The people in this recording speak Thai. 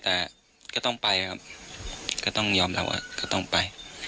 แต่ก็ต้องไปครับก็ต้องยอมรับว่าก็ต้องไป